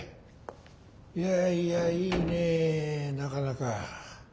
いやいやいいねなかなか。